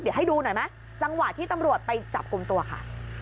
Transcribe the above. เดี๋ยวให้ดูหน่อยไหมจังหวะที่ตำรวจไปจับกลุ่มตัวค่ะ